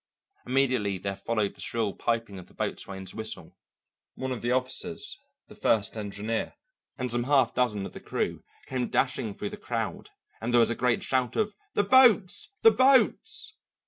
Immediately there followed the shrill piping of the boatswain's whistle; one of the officers, the first engineer, and some half dozen of the crew came dashing through the crowd, and there was a great shout of "The boats! The boats!"